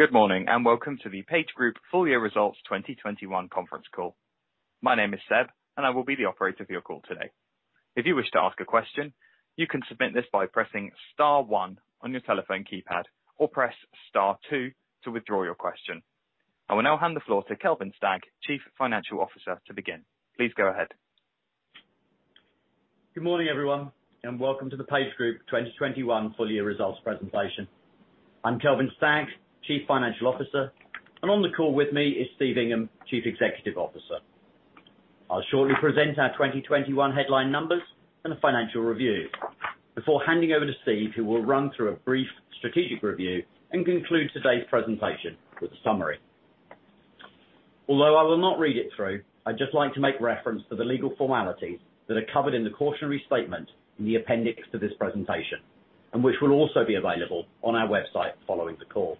Good morning, and welcome to the PageGroup full year results 2021 conference call. My name is Seb, and I will be the operator of your call today. If you wish to ask a question, you can submit this by pressing star one on your telephone keypad, or press star two to withdraw your question. I will now hand the floor to Kelvin Stagg, Chief Financial Officer to begin. Please go ahead. Good morning, everyone, and welcome to the PageGroup 2021 full year results presentation. I'm Kelvin Stagg, Chief Financial Officer, and on the call with me is Steve Ingham, Chief Executive Officer. I'll shortly present our 2021 headline numbers and a financial review before handing over to Steve, who will run through a brief strategic review and conclude today's presentation with a summary. Although I will not read it through, I'd just like to make reference to the legal formalities that are covered in the cautionary statement in the appendix to this presentation, and which will also be available on our website following the call.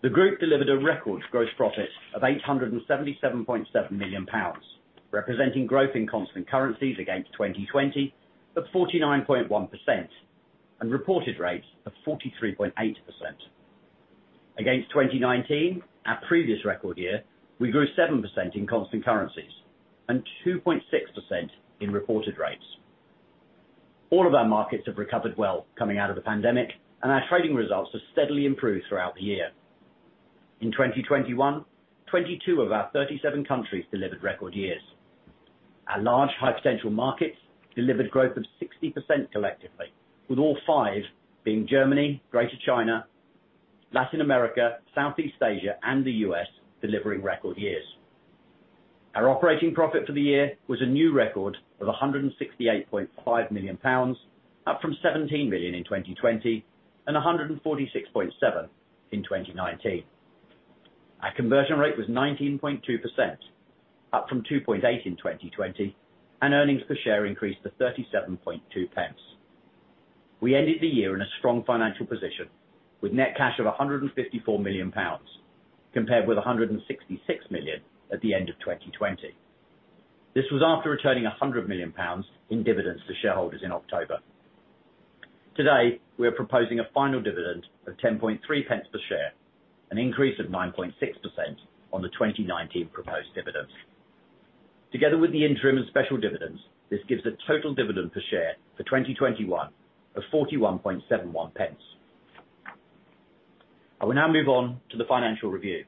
The group delivered a record gross profit of 877.7 million pounds, representing growth in constant currencies against 2020 of 49.1% and reported rates of 43.8%. Against 2019, our previous record year, we grew 7% in constant currencies and 2.6% in reported rates. All of our markets have recovered well coming out of the pandemic, and our trading results have steadily improved throughout the year. In 2021, 22 of our 37 countries delivered record years. Our large high potential markets delivered growth of 60% collectively, with all five, being Germany, Greater China, Latin America, Southeast Asia, and the U.S. delivering record years. Our operating profit for the year was a new record of 168.5 million pounds, up from 17 million in 2020 and 146.7 million in 2019. Our conversion rate was 19.2%, up from 2.8% in 2020, and earnings per share increased to 0.372. We ended the year in a strong financial position with net cash of 154 million pounds, compared with 166 million at the end of 2020. This was after returning 100 million pounds in dividends to shareholders in October. Today, we are proposing a final dividend of 0.103 per share, an increase of 9.6% on the 2019 proposed dividends. Together with the interim and special dividends, this gives a total dividend per share for 2021 of 0.4171. I will now move on to the financial review.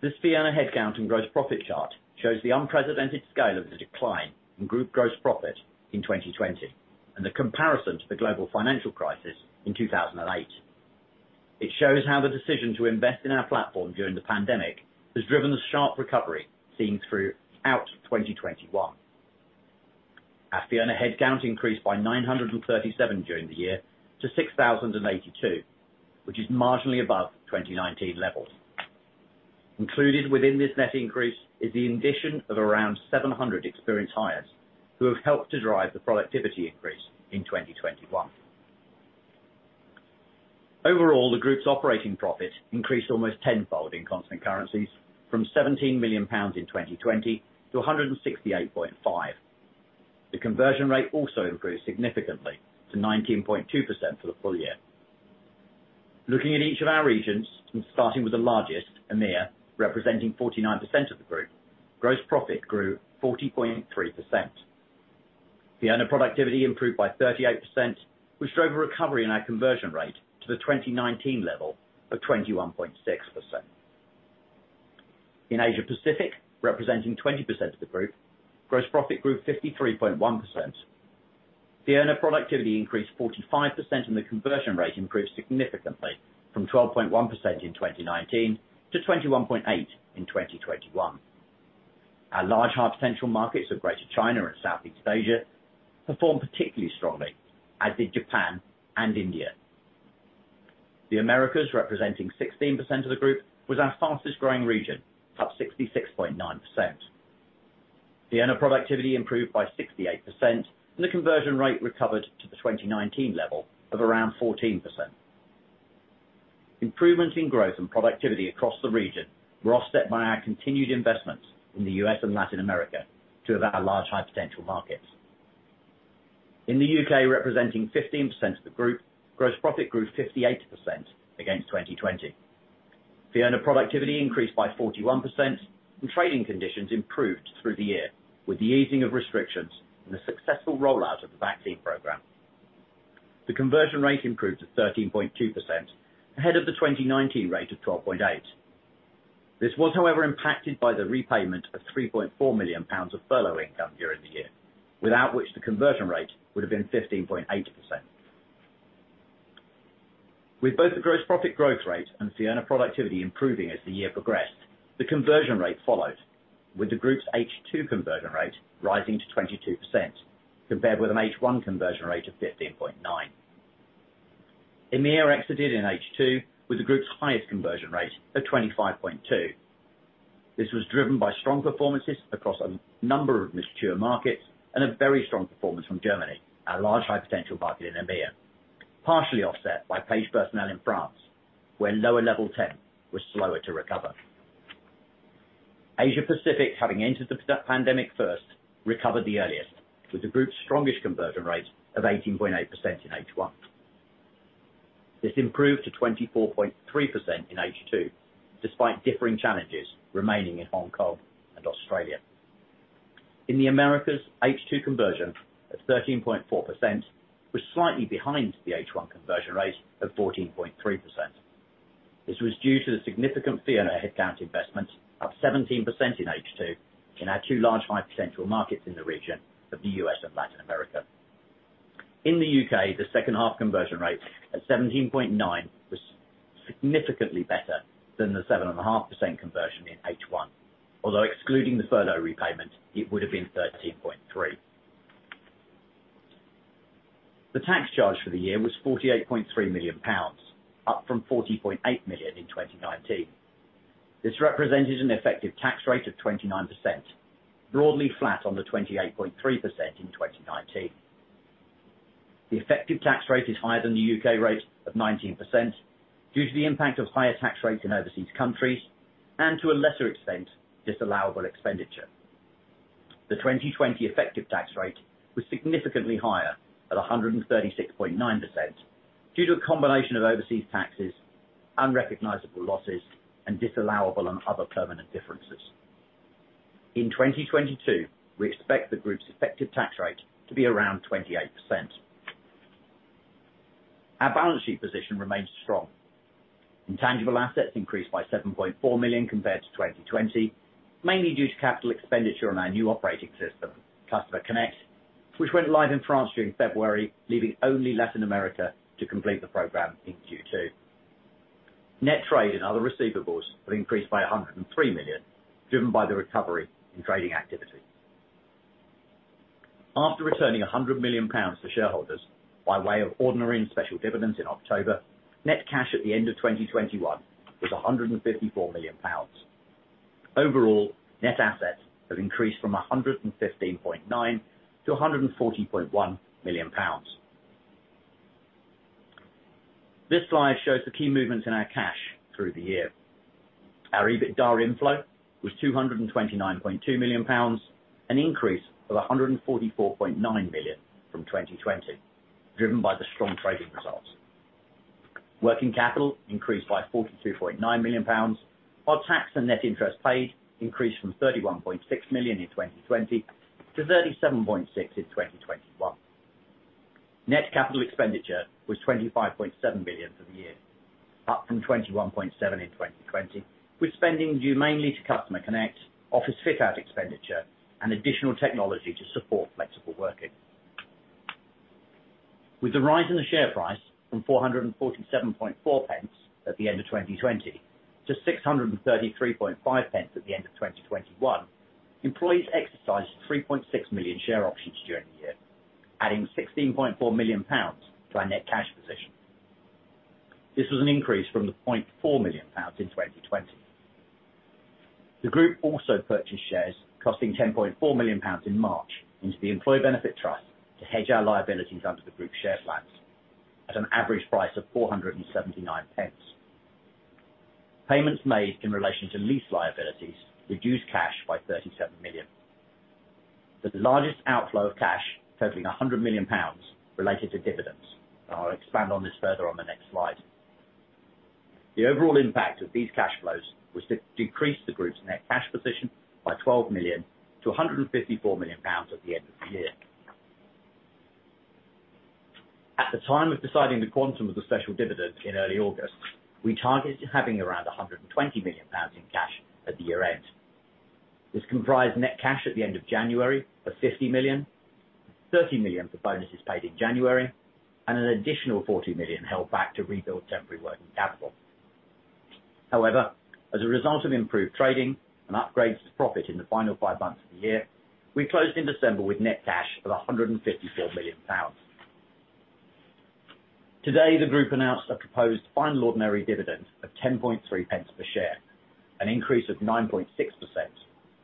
This final headcount and gross profit chart shows the unprecedented scale of the decline in group gross profit in 2020 and the comparison to the global financial crisis in 2008. It shows how the decision to invest in our platform during the pandemic has driven the sharp recovery seen throughout 2021. Our fee earner headcount increased by 937 during the year to 6,082, which is marginally above 2019 levels. Included within this net increase is the addition of around 700 experienced hires who have helped to drive the productivity increase in 2021. Overall, the group's operating profit increased almost tenfold in constant currencies from GBP 17 million in 2020 to 168.5 million. The conversion rate also improved significantly to 19.2% for the full year. Looking at each of our regions, starting with the largest, EMEA, representing 49% of the group, gross profit grew 40.3%. Fee earner productivity improved by 38%, which drove a recovery in our conversion rate to the 2019 level of 21.6%. In Asia-Pacific, representing 20% of the group, gross profit grew 53.1%. Fee earner productivity increased 45%, and the conversion rate improved significantly from 12.1% in 2019 to 21.8% in 2021. Our large high potential markets of Greater China and Southeast Asia performed particularly strongly, as did Japan and India. The Americas, representing 16% of the group, was our fastest growing region, up 66.9%. Fee earner productivity improved by 68%, and the conversion rate recovered to the 2019 level of around 14%. Improvement in growth and productivity across the region were offset by our continued investments in the U.S. and Latin America, two of our large high potential markets. In the U.K., representing 15% of the group, gross profit grew 58% against 2020. Fee earner productivity increased by 41%, and trading conditions improved through the year with the easing of restrictions and the successful rollout of the vaccine program. The conversion rate improved to 13.2% ahead of the 2019 rate of 12.8%. This was, however, impacted by the repayment of 3.4 million pounds of furlough income during the year, without which the conversion rate would have been 15.8%. With both the gross profit growth rate and fee earner productivity improving as the year progressed, the conversion rate followed, with the group's H2 conversion rate rising to 22% compared with an H1 conversion rate of 15.9%. EMEA exited in H2 with the group's highest conversion rate of 25.2%. This was driven by strong performances across a number of mature markets and a very strong performance from Germany, our large high potential market in EMEA, partially offset by Page Personnel in France, where lower level temp was slower to recover. Asia-Pacific, having entered the pandemic first, recovered the earliest, with the group's strongest conversion rate of 18.8% in H1. This improved to 24.3% in H2, despite differing challenges remaining in Hong Kong and Australia. In the Americas, H2 conversion at 13.4% was slightly behind the H1 conversion rate of 14.3%. This was due to the significant fee earner headcount investment of 17% in H2 in our two large high potential markets in the region of the U.S. and Latin America. In the U.K., the second half conversion rate at 17.9% was significantly better than the 7.5% conversion in H1. Although excluding the furlough repayment, it would have been 13.3%. The tax charge for the year was 48.3 million pounds, up from 40.8 million in 2019. This represented an effective tax rate of 29%, broadly flat on the 28.3% in 2019. The effective tax rate is higher than the U.K. rate of 19% due to the impact of higher tax rates in overseas countries and to a lesser extent, disallowable expenditure. The 2020 effective tax rate was significantly higher at 136.9% due to a combination of overseas taxes, unrecognizable losses, and disallowable and other permanent differences. In 2022, we expect the group's effective tax rate to be around 28%. Our balance sheet position remains strong. Intangible assets increased by 7.4 million compared to 2020, mainly due to capital expenditure on our new operating system, Customer Connect, which went live in France during February, leaving only Latin America to complete the program in Q2. Net trade and other receivables have increased by 103 million, driven by the recovery in trading activity. After returning 100 million pounds to shareholders by way of ordinary and special dividends in October, net cash at the end of 2021 was 154 million pounds. Overall, net assets have increased from 115.9 million to 140.1 million pounds. This slide shows the key movements in our cash through the year. Our EBITDA inflow was 229.2 million pounds, an increase of 144.9 million from 2020, driven by the strong trading results. Working capital increased by 42.9 million pounds, while tax and net interest paid increased from 31.6 million in 2020 to 37.6 million in 2021. Net capital expenditure was 25.7 million for the year, up from 21.7 million in 2020, with spending due mainly to Customer Connect, office fit-out expenditure, and additional technology to support flexible working. With the rise in the share price from 4.474 at the end of 2020 to 6.335 at the end of 2021, employees exercised 3.6 million share options during the year, adding 16.4 million pounds to our net cash position. This was an increase from 0.4 million pounds in 2020. The group also purchased shares costing 10.4 million pounds in March into the employee benefit trust to hedge our liabilities under the group's share plans at an average price of 4.79. Payments made in relation to lease liabilities reduced cash by 37 million. The largest outflow of cash totaling 100 million pounds related to dividends. I'll expand on this further on the next slide. The overall impact of these cash flows was to decrease the group's net cash position by 12 million to 154 million pounds at the end of the year. At the time of deciding the quantum of the special dividend in early August, we targeted having around 120 million pounds in cash at the year end. This comprised net cash at the end of January of 50 million, 30 million for bonuses paid in January, and an additional 40 million held back to rebuild temporary working capital. However, as a result of improved trading and upgrades to profit in the final five months of the year, we closed in December with net cash of 154 million pounds. Today, the group announced a proposed final ordinary dividend of 0.103 per share, an increase of 9.6%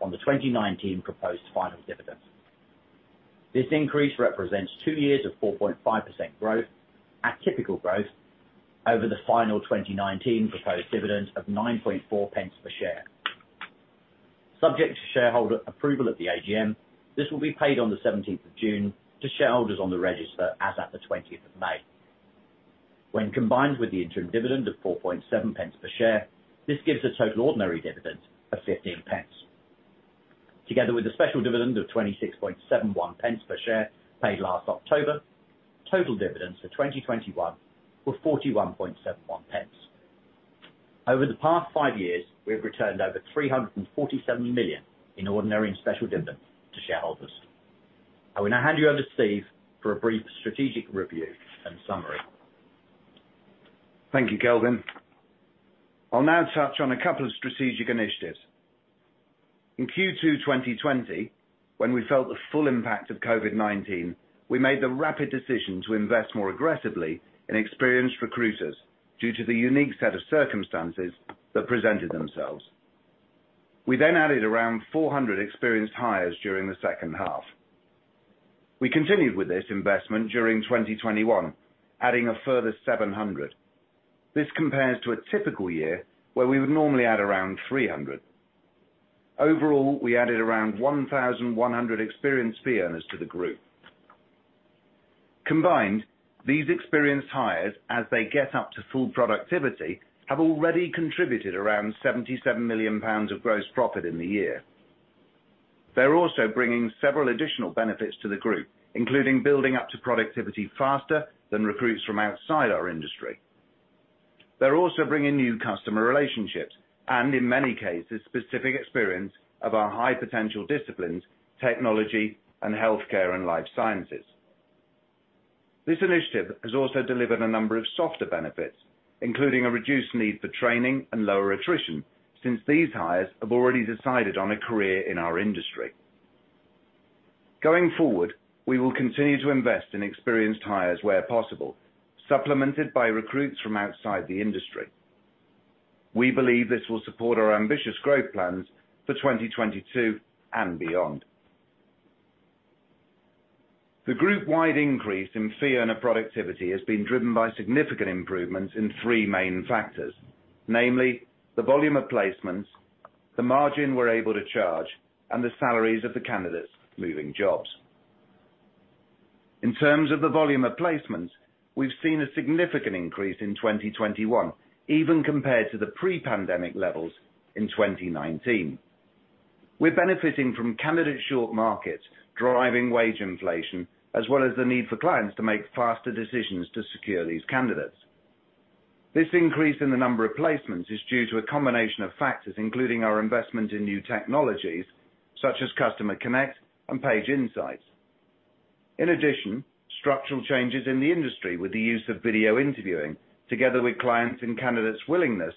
on the 2019 proposed final dividend. This increase represents two years of 4.5% growth, our typical growth over the final 2019 proposed final dividend of 0.094 per share. Subject to shareholder approval at the AGM, this will be paid on the seventeenth of June to shareholders on the register as at the twentieth of May. When combined with the interim dividend of 0.047 per share, this gives a total ordinary dividend of 0.15. Together with the special dividend of 0.2671 per share paid last October, total dividends for 2021 were 0.4171. Over the past five years, we have returned over 347 million in ordinary and special dividends to shareholders. I will now hand you over to Steve for a brief strategic review and summary. Thank you, Kelvin. I'll now touch on a couple of strategic initiatives. In Q2 2020, when we felt the full impact of COVID-19, we made the rapid decision to invest more aggressively in experienced recruiters due to the unique set of circumstances that presented themselves. We then added around 400 experienced hires during the second half. We continued with this investment during 2021, adding a further 700. This compares to a typical year where we would normally add around 300. Overall, we added around 1,100 experienced fee earners to the group. Combined, these experienced hires, as they get up to full productivity, have already contributed around 77 million pounds of gross profit in the year. They're also bringing several additional benefits to the group, including building up to productivity faster than recruits from outside our industry. They're also bringing new customer relationships and in many cases, specific experience of our high potential disciplines, technology and healthcare and life sciences. This initiative has also delivered a number of softer benefits, including a reduced need for training and lower attrition, since these hires have already decided on a career in our industry. Going forward, we will continue to invest in experienced hires where possible, supplemented by recruits from outside the industry. We believe this will support our ambitious growth plans for 2022 and beyond. The group-wide increase in fee earner productivity is being driven by significant improvements in three main factors, namely the volume of placements, the margin we're able to charge and the salaries of the candidates leaving jobs. In terms of the volume of placements, we've seen a significant increase in 2021, even compared to the pre-pandemic levels in 2019. We're benefiting from candidate short markets driving wage inflation, as well as the need for clients to make faster decisions to secure these candidates. This increase in the number of placements is due to a combination of factors, including our investment in new technologies such as Customer Connect and Page Insights. In addition, structural changes in the industry with the use of video interviewing, together with clients and candidates' willingness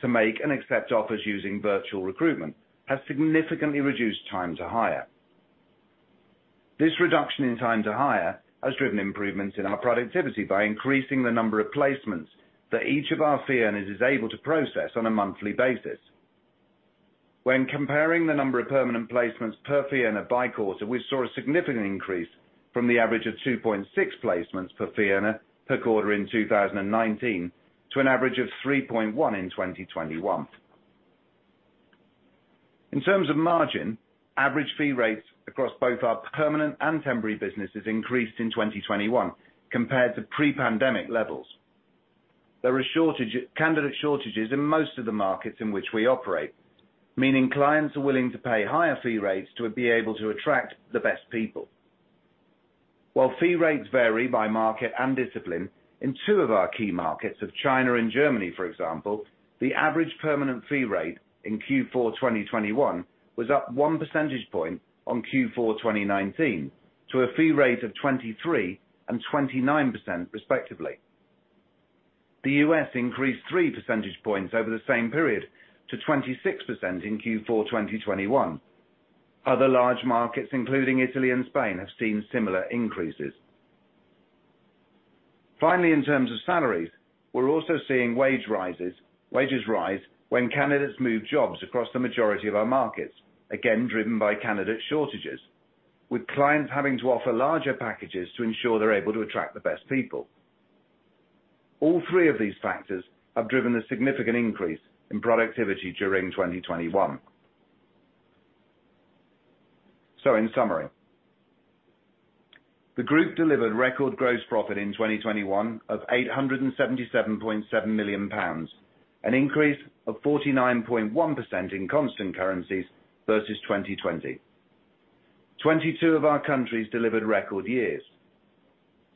to make and accept offers using virtual recruitment, has significantly reduced time to hire. This reduction in time to hire has driven improvements in our productivity by increasing the number of placements that each of our fee earners is able to process on a monthly basis. When comparing the number of permanent placements per fee earner by quarter, we saw a significant increase from the average of 2.6 placements per fee earner per quarter in 2019 to an average of 3.1 in 2021. In terms of margin, average fee rates across both our permanent and temporary businesses increased in 2021 compared to pre-pandemic levels. There are candidate shortages in most of the markets in which we operate, meaning clients are willing to pay higher fee rates to be able to attract the best people. While fee rates vary by market and discipline, in two of our key markets of China and Germany, for example, the average permanent fee rate in Q4 2021 was up one percentage point on Q4 2019 to a fee rate of 23% and 29% respectively. The U.S. increased 3 percentage points over the same period to 26% in Q4 2021. Other large markets, including Italy and Spain, have seen similar increases. Finally, in terms of salaries, we're also seeing wages rise when candidates move jobs across the majority of our markets, again driven by candidate shortages, with clients having to offer larger packages to ensure they're able to attract the best people. All 3 of these factors have driven a significant increase in productivity during 2021. In summary, the group delivered record gross profit in 2021 of 877.7 million pounds, an increase of 49.1% in constant currencies versus 2020. 22 of our countries delivered record years.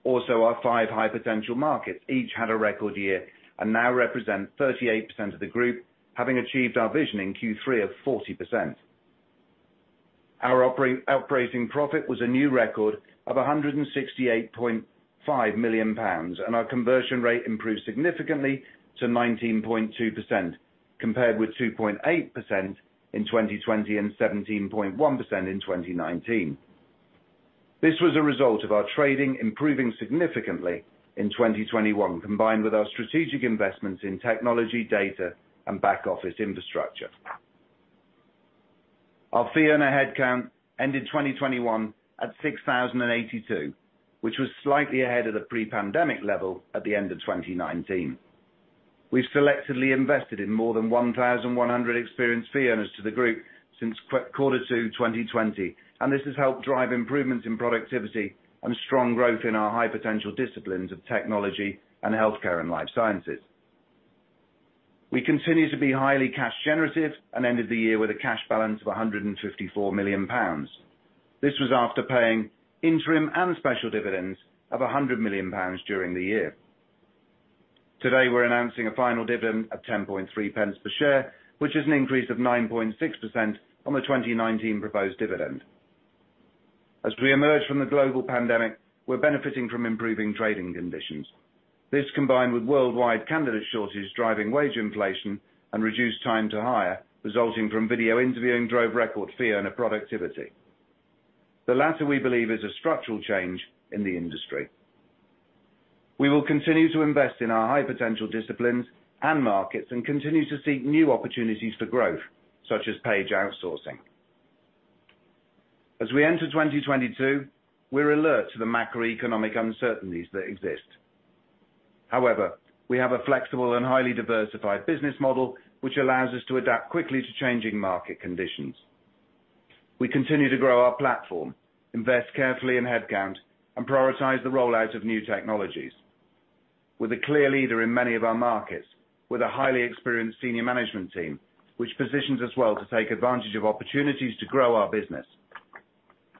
Also, our five high potential markets each had a record year and now represent 38% of the group having achieved our vision in Q3 of 40%. Our operating profit was a new record of 168.5 million pounds, and our conversion rate improved significantly to 19.2%, compared with 2.8% in 2020 and 17.1% in 2019. This was a result of our trading improving significantly in 2021, combined with our strategic investments in technology, data and back office infrastructure. Our fee earner headcount ended 2021 at 6,082, which was slightly ahead of the pre-pandemic level at the end of 2019. We've selectively invested in more than 1,100 experienced fee earners to the group since Q2 2020, and this has helped drive improvements in productivity and strong growth in our high potential disciplines of technology and healthcare and life sciences. We continue to be highly cash generative and ended the year with a cash balance of 154 million pounds. This was after paying interim and special dividends of 100 million pounds during the year. Today, we're announcing a final dividend of 0.103 per share, which is an increase of 9.6% on the 2019 proposed dividend. As we emerge from the global pandemic, we're benefiting from improving trading conditions. This, combined with worldwide candidate shortages, driving wage inflation and reduced time to hire, resulting from video interviewing, drove record fee earner productivity. The latter, we believe, is a structural change in the industry. We will continue to invest in our high potential disciplines and markets, and continue to seek new opportunities for growth, such as Page Outsourcing. As we enter 2022, we're alert to the macroeconomic uncertainties that exist. However, we have a flexible and highly diversified business model, which allows us to adapt quickly to changing market conditions. We continue to grow our platform, invest carefully in headcount, and prioritize the rollout of new technologies. We're the clear leader in many of our markets, with a highly experienced senior management team, which positions us well to take advantage of opportunities to grow our business.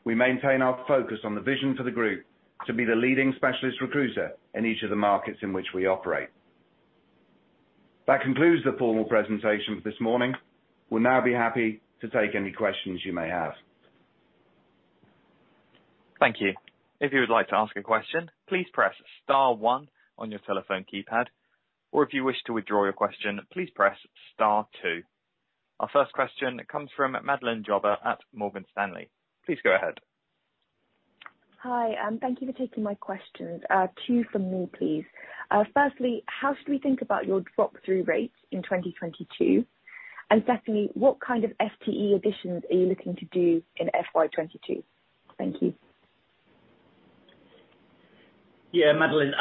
We maintain our focus on the vision for the group to be the leading specialist recruiter in each of the markets in which we operate. That concludes the formal presentation for this morning. We'll now be happy to take any questions you may have. Thank you. If you would like to ask a question, please press star one on your telephone keypad, or if you wish to withdraw your question, please press star two. Our first question comes from Madeleine Jobber at Morgan Stanley. Please go ahead. Hi, thank you for taking my questions. Two for me, please. Firstly, how should we think about your drop-through rates in 2022? Secondly, what kind of FTE additions are you looking to do in FY 2022? Thank you. Yeah, Madeleine.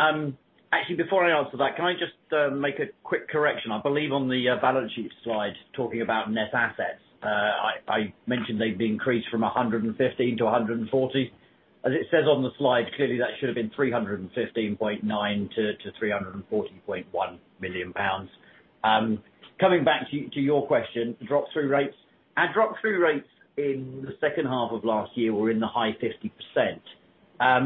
Actually, before I answer that, can I just make a quick correction? I believe on the balance sheet slide talking about net assets, I mentioned they've increased from 115 million to 140 million. As it says on the slide, clearly that should have been 315.9 million-340.1 million pounds. Coming back to your question, drop-through rates. Our drop-through rates in the second half of last year were in the high 50%. I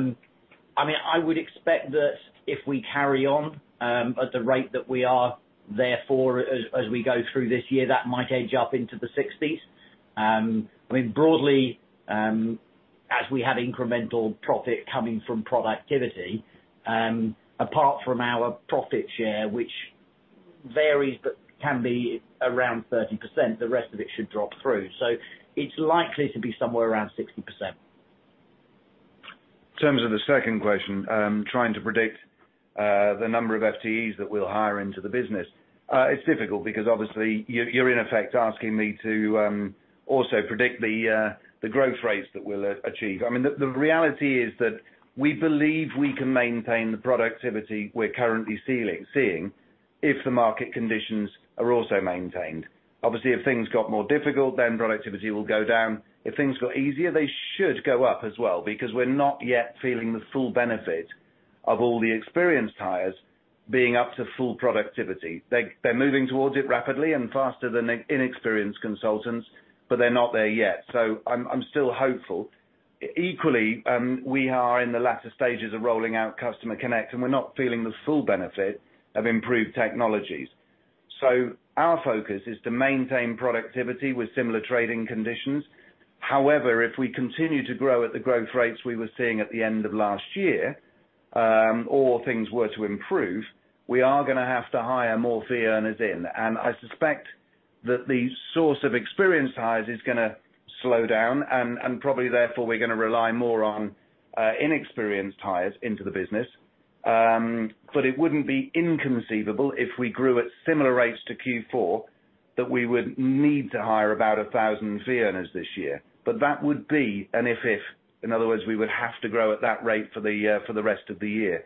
mean, I would expect that if we carry on at the rate that we are therefore as we go through this year, that might edge up into the 60s. I mean, broadly, as we have incremental profit coming from productivity, apart from our profit share, which varies but can be around 30%, the rest of it should drop through. It's likely to be somewhere around 60%. In terms of the second question, trying to predict the number of FTEs that we'll hire into the business. It's difficult because obviously you're in effect asking me to also predict the growth rates that we'll achieve. I mean, the reality is that we believe we can maintain the productivity we're currently seeing if the market conditions are also maintained. Obviously, if things got more difficult, then productivity will go down. If things got easier, they should go up as well because we're not yet feeling the full benefit of all the experienced hires being up to full productivity. They're moving towards it rapidly and faster than inexperienced consultants, but they're not there yet. I'm still hopeful. Equally, we are in the latter stages of rolling out Customer Connect, and we're not feeling the full benefit of improved technologies. Our focus is to maintain productivity with similar trading conditions. However, if we continue to grow at the growth rates we were seeing at the end of last year, or things were to improve, we are gonna have to hire more fee earners in. I suspect that the source of experienced hires is gonna slow down and probably therefore we're gonna rely more on inexperienced hires into the business. It wouldn't be inconceivable if we grew at similar rates to Q4 that we would need to hire about 1,000 fee earners this year. That would be an if-if. In other words, we would have to grow at that rate for the rest of the year.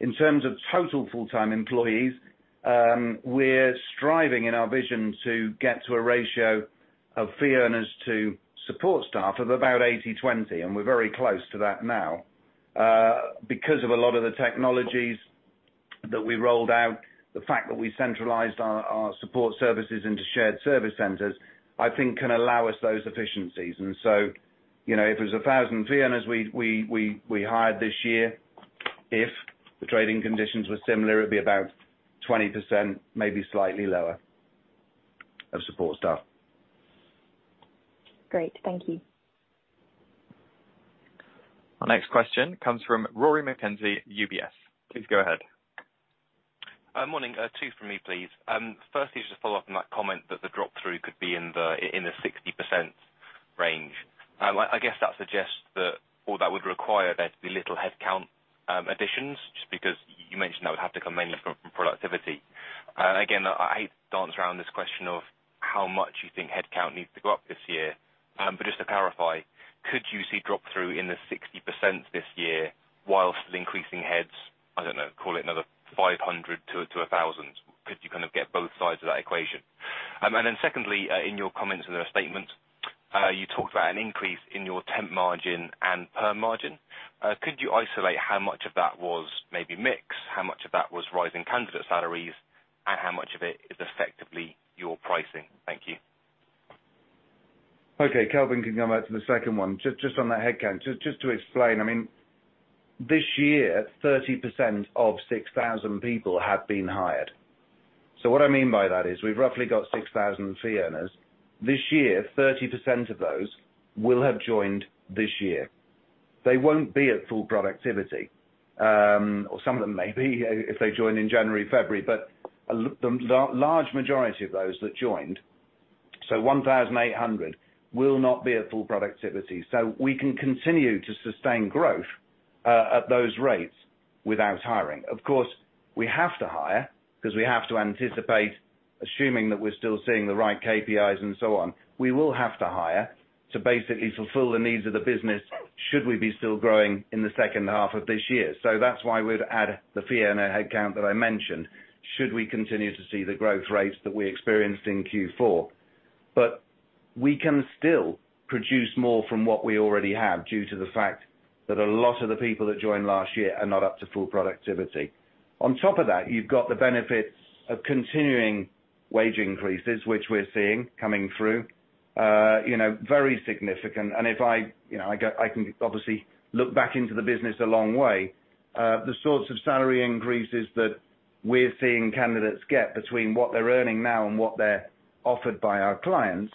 In terms of total full-time employees, we're striving in our vision to get to a ratio of fee earners to support staff of about 80/20, and we're very close to that now. Because of a lot of the technologies that we rolled out, the fact that we centralized our support services into shared service centers, I think can allow us those efficiencies. You know, if it was 1,000 fee earners we hired this year, if the trading conditions were similar, it'd be about 20%, maybe slightly lower of support staff. Great. Thank you. Our next question comes from Rory McKenzie, UBS. Please go ahead. Morning. Two for me, please. Firstly, just to follow up on that comment that the drop-through could be in the 60% range. I guess that suggests that all that would require there to be little headcount additions, just because you mentioned that would have to come mainly from productivity. Again, I hate to dance around this question of how much you think headcount needs to go up this year. Just to clarify, could you see drop-through in the 60% this year whilst increasing heads, I don't know, call it another 500-1,000? Could you kind of get both sides of that equation? Secondly, in your comments in the statement, you talked about an increase in your temp margin and perm margin. Could you isolate how much of that was maybe mix, how much of that was rising candidate salaries, and how much of it is effectively your pricing? Thank you. Okay. Kelvin can come back to the second one. Just on the headcount. Just to explain, I mean, this year, 30% of 6,000 people have been hired. What I mean by that is we've roughly got 6,000 fee earners. This year, 30% of those will have joined this year. They won't be at full productivity, or some of them may be if they join in January, February, but the large majority of those that joined 1,800 will not be at full productivity. We can continue to sustain growth at those rates without hiring. Of course, we have to hire because we have to anticipate, assuming that we're still seeing the right KPIs and so on, we will have to hire to basically fulfill the needs of the business should we be still growing in the second half of this year. That's why we'd add the fee earners and our head count that I mentioned, should we continue to see the growth rates that we experienced in Q4. We can still produce more from what we already have due to the fact that a lot of the people that joined last year are not up to full productivity. On top of that, you've got the benefits of continuing wage increases, which we're seeing coming through, you know, very significant. If I, you know, can obviously look back into the business a long way, the sorts of salary increases that we're seeing candidates get between what they're earning now and what they're offered by our clients,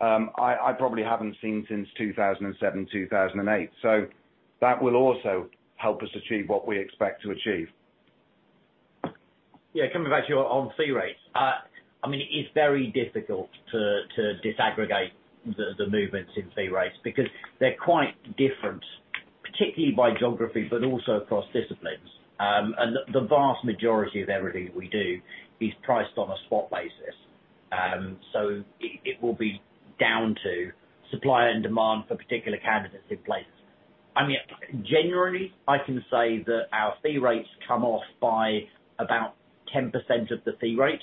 I probably haven't seen since 2007, 2008. That will also help us achieve what we expect to achieve. Yeah. Coming back to you on fee rates. I mean, it is very difficult to disaggregate the movements in fee rates because they're quite different, particularly by geography, but also across disciplines. And the vast majority of everything we do is priced on a spot basis. So it will be down to supply and demand for particular candidates in places. I mean, generally, I can say that our fee rates come off by about 10% of the fee rate.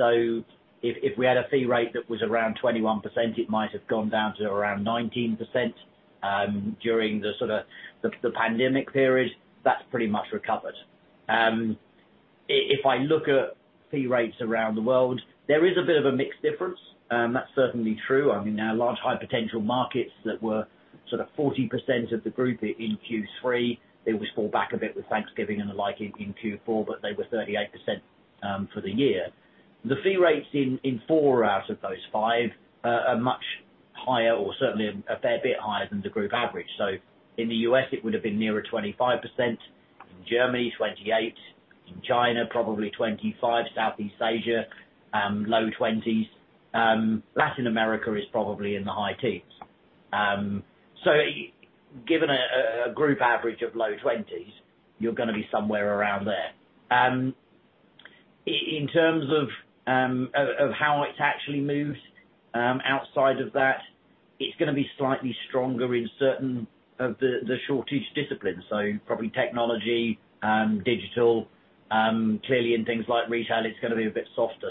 So if we had a fee rate that was around 21%, it might have gone down to around 19%, during the pandemic period, that's pretty much recovered. If I look at fee rates around the world, there is a bit of a mixed difference. That's certainly true. I mean, our large high potential markets that were sort of 40% of the group in Q3, they always fall back a bit with Thanksgiving and the like in Q4, but they were 38% for the year. The fee rates in four out of those five are much higher or certainly a fair bit higher than the group average. In the U.S. it would have been nearer 25%, in Germany 28%, in China probably 25%, Southeast Asia low 20s. Latin America is probably in the high teens. Given a group average of low 20s, you're gonna be somewhere around there. In terms of how it's actually moved, outside of that, it's gonna be slightly stronger in certain of the shortage disciplines, so probably technology, digital, clearly in things like retail, it's gonna be a bit softer.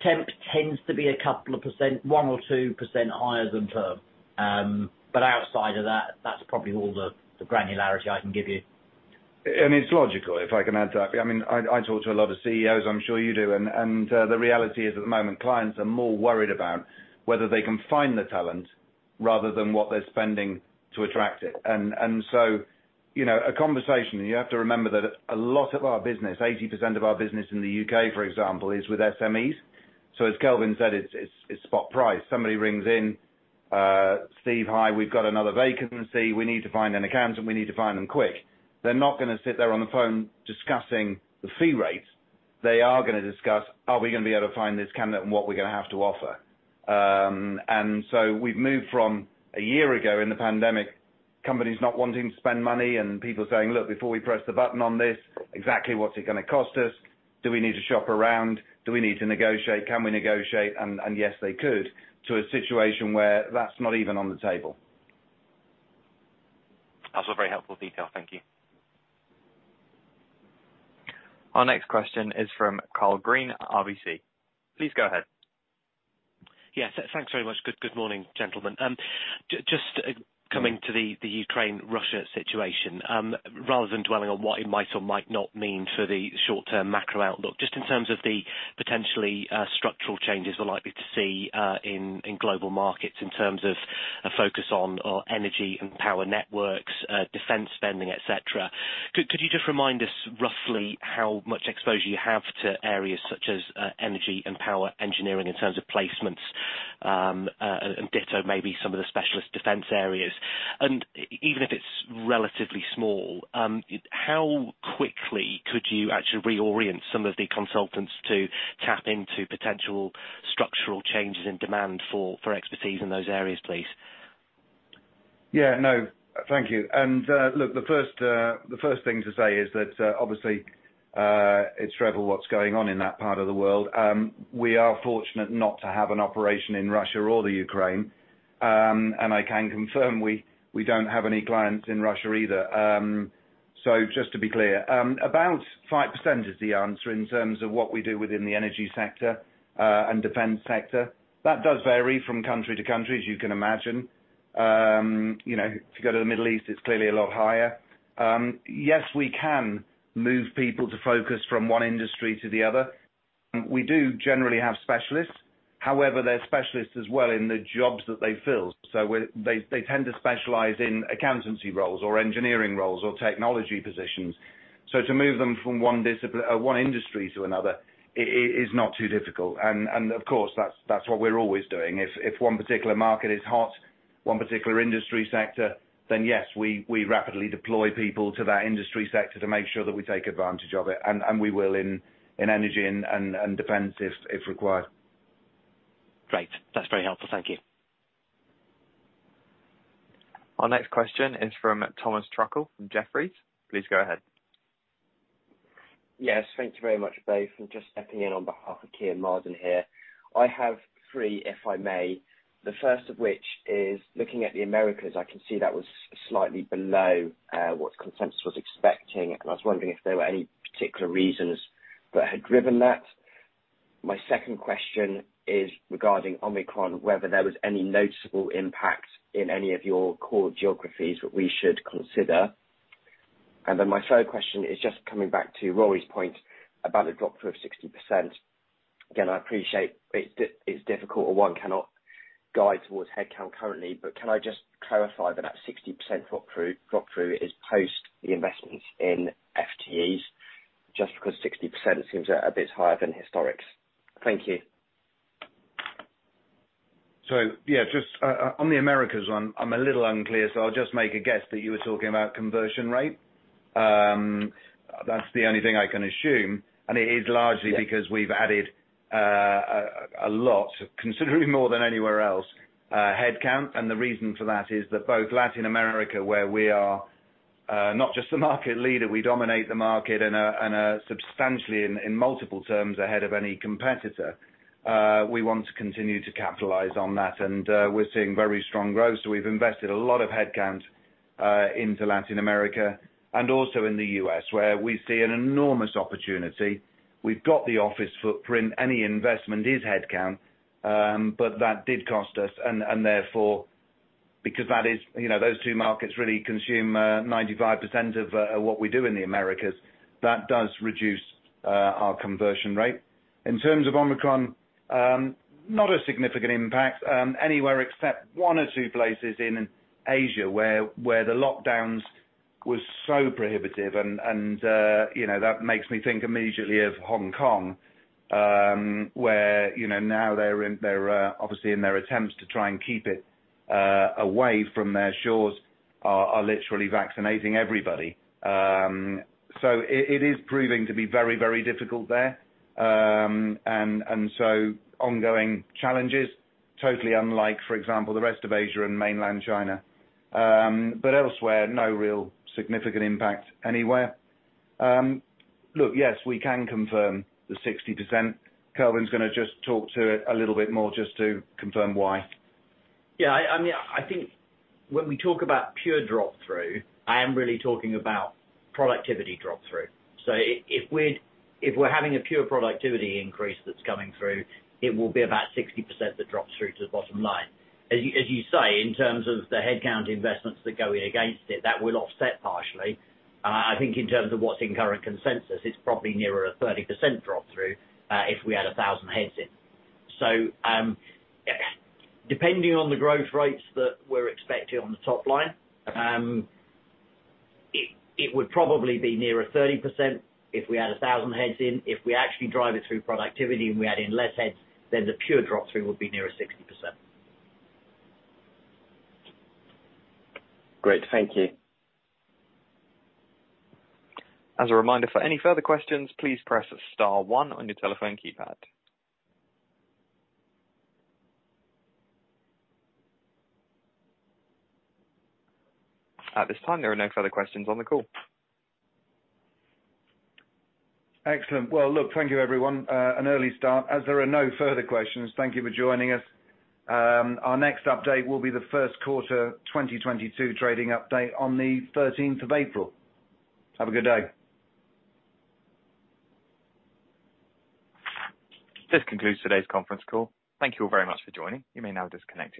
Temp tends to be 2%, 1%-2% higher than perm. Outside of that's probably all the granularity I can give you. It's logical, if I can add to that. I mean, I talk to a lot of CEOs, I'm sure you do, and the reality is at the moment clients are more worried about whether they can find the talent rather than what they're spending to attract it. You know, a conversation, you have to remember that a lot of our business, 80% of our business in the U.K., for example, is with SMEs. As Kelvin said, it's spot price. Somebody rings in, "Steve, hi. We've got another vacancy. We need to find an accountant, we need to find them quick." They're not gonna sit there on the phone discussing the fee rates. They are gonna discuss, "Are we gonna be able to find this candidate and what we're gonna have to offer?" We've moved from a year ago in the pandemic, companies not wanting to spend money and people saying, "Look, before we press the button on this, exactly what's it gonna cost us? Do we need to shop around? Do we need to negotiate? Can we negotiate?" and yes, they could, to a situation where that's not even on the table. That's a very helpful detail. Thank you. Our next question is from Karl Green, RBC. Please go ahead. Yes. Thanks very much. Good morning, gentlemen. Just coming to the Ukraine-Russia situation, rather than dwelling on what it might or might not mean for the short-term macro outlook, just in terms of the potentially structural changes we're likely to see in global markets in terms of a focus on energy and power networks, defense spending, et cetera. Could you just remind us roughly how much exposure you have to areas such as energy and power engineering in terms of placements, and ditto maybe some of the specialist defense areas? Even if it's relatively small, how quickly could you actually reorient some of the consultants to tap into potential structural changes in demand for expertise in those areas, please? Yeah, no. Thank you. Look, the first thing to say is that obviously it's terrible what's going on in that part of the world. We are fortunate not to have an operation in Russia or the Ukraine. I can confirm we don't have any clients in Russia either. Just to be clear, about 5% is the answer in terms of what we do within the energy sector and defense sector. That does vary from country to country, as you can imagine. You know, if you go to the Middle East, it's clearly a lot higher. Yes, we can move people to focus from one industry to the other. We do generally have specialists. However, they're specialists as well in the jobs that they fill, so they tend to specialize in accountancy roles or engineering roles or technology positions. To move them from one discipline or one industry to another is not too difficult. Of course, that's what we're always doing. If one particular industry sector is hot, then yes, we rapidly deploy people to that industry sector to make sure that we take advantage of it. We will in energy and defense if required. Great. That's very helpful. Thank you. Our next question is from Thomas Truckle from Jefferies. Please go ahead. Yes, thank you very much, both. Just stepping in on behalf of Kean Marden here. I have three, if I may. The first of which is looking at the Americas, I can see that was slightly below what consensus was expecting, and I was wondering if there were any particular reasons that had driven that. My second question is regarding Omicron, whether there was any noticeable impact in any of your core geographies that we should consider. My third question is just coming back to Rory's point about a drop through of 60%. Again, I appreciate it's difficult or one cannot guide towards head count currently, but can I just clarify that at 60% drop through, drop through is post the investment in FTEs? Just because 60% seems a bit higher than historics. Thank you. Yeah, just on the Americas one, I'm a little unclear, so I'll just make a guess that you were talking about conversion rate. That's the only thing I can assume, and it is largely because we've added a lot, considerably more than anywhere else, head count. The reason for that is that both Latin America, where we are, not just the market leader, we dominate the market and are substantially in multiple terms ahead of any competitor. We want to continue to capitalize on that, and we're seeing very strong growth. We've invested a lot of head count into Latin America and also in the U.S., where we see an enormous opportunity. We've got the office footprint. Any investment is head count, but that did cost us and therefore, because that is, you know, those two markets really consume 95% of what we do in the Americas. That does reduce our conversion rate. In terms of Omicron, not a significant impact anywhere except one or two places in Asia where the lockdowns were so prohibitive and you know that makes me think immediately of Hong Kong where you know now they're obviously in their attempts to try and keep it away from their shores are literally vaccinating everybody. It is proving to be very very difficult there. Ongoing challenges totally unlike for example the rest of Asia and Mainland China. Elsewhere no real significant impact anywhere. Yes we can confirm the 60%. Kelvin is gonna just talk to it a little bit more just to confirm why. Yeah, I mean, I think when we talk about pure drop through, I am really talking about productivity drop through. If we're having a pure productivity increase that's coming through, it will be about 60% that drops through to the bottom line. As you say, in terms of the head count investments that go in against it, that will offset partially. I think in terms of what's in current consensus, it's probably nearer a 30% drop through, if we add 1,000 heads in. Depending on the growth rates that we're expecting on the top line, it would probably be nearer 30% if we add 1,000 heads in. If we actually drive it through productivity and we add in less heads, then the pure drop through would be nearer 60%. Great. Thank you. As a reminder, for any further questions, please press star one on your telephone keypad. At this time, there are no further questions on the call. Excellent. Well, look, thank you everyone. An early start. As there are no further questions, thank you for joining us. Our next update will be the first quarter 2022 trading update on the 13th of April. Have a good day. This concludes today's conference call. Thank you very much for joining. You may now disconnect your phones.